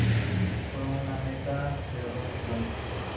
Fue una mata de Rosas blancas.